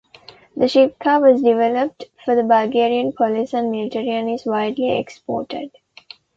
The Shipka was developed for the Bulgarian police and military and is widely exported.